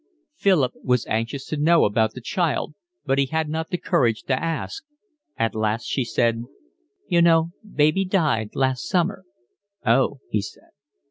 Philip was anxious to know about the child, but he had not the courage to ask. At last she said: "You know baby died last summer." "Oh!" he said.